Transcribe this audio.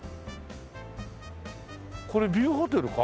これビューホテルか？